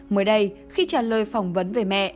mới đây khi trả lời phỏng vấn về mẹ